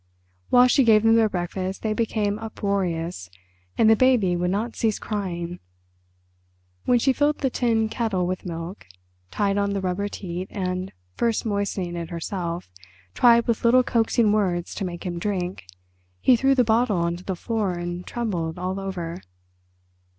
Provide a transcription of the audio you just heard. While she gave them their breakfast they became uproarious, and the baby would not cease crying. When she filled the tin kettle with milk, tied on the rubber teat, and, first moistening it herself, tried with little coaxing words to make him drink, he threw the bottle on to the floor and trembled all over.